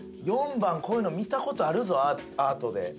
４番こういうの見たことあるぞアートで。